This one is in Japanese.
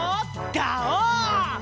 ガオー！